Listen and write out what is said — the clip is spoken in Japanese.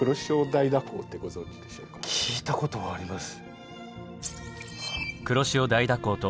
聞いたことあります。